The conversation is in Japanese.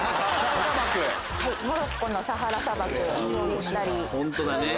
モロッコのサハラ砂漠でしたり。